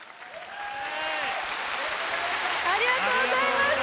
ＡＩさんありがとうございました。